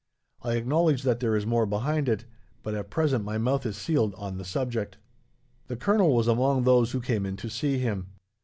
I acknowledge that there is more behind it, but at present my mouth is sealed on the subject." The colonel was among those who came in to see him.